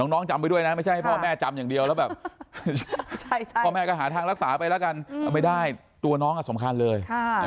น้องจำไปด้วยนะไม่ใช่ให้พ่อแม่จำอย่างเดียวแล้วแบบพ่อแม่ก็หาทางรักษาไปแล้วกันไม่ได้ตัวน้องสำคัญเลย